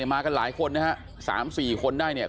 มากันหลายคนนะฮะ๓๔คนได้